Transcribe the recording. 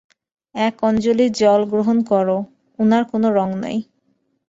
এক অঞ্জলি জল গ্রহণ কর, উহার কোন রঙ নাই।